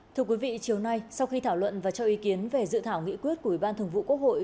thưa quý vị chiều nay sau khi thảo luận và cho ý kiến về dự thảo nghị quyết của ủy ban thường vụ quốc hội